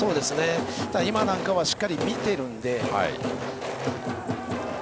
ただ、今なんかはしっかり見ているので。